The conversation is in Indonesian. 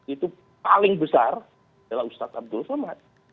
itu paling besar adalah ustadz abdul somad